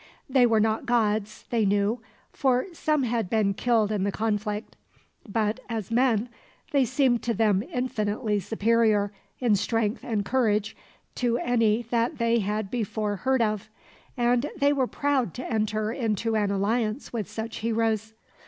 They were not gods, they knew, for some had been killed in the conflict; but as men they seemed to them infinitely superior, in strength and courage, to any that they had before heard of; and they were proud to enter into an alliance with such heroes.